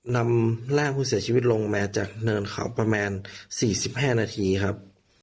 นำร่างผู้เสียชีวิตลงมาจากเนินเขาประมาณ๔๕นาทีครับ